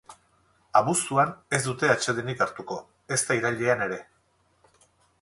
Abuztuan ez dute atsedenik hartuko, ezta irailean ere.